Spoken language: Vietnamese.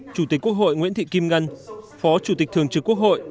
chủ tịch quốc hội nguyễn thị kim ngân phó chủ tịch thường trực quốc hội